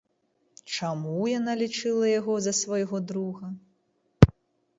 Чаму яна лічыла яго за свайго друга?